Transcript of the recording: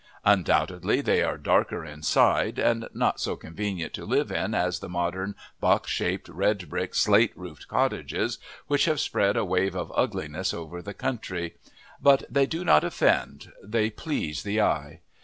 Undoubtedly they are darker inside, and not so convenient to live in as the modern box shaped, red brick, slate roofed cottages, which have spread a wave of ugliness over the country; but they do not offend they please the eye.